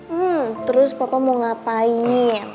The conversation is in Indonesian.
hmm terus papa mau ngapain